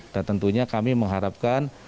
dan tentunya kami mengharapkan